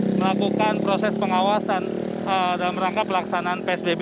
hari tadi melakukan proses pengawasan dalam rangka pelaksanaan psbb